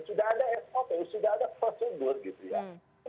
sudah ada sop sudah ada prosedur gitu ya